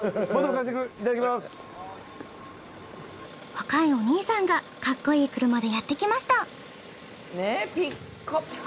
若いお兄さんがかっこいい車でやってきました。